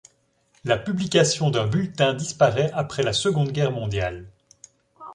La publication d'un bulletin disparaît après la seconde guerre mondiale.